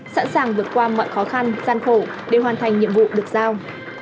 sẵn sàng vượt qua mọi khó khăn gian khổ để hoàn thành nhiệm vụ được giao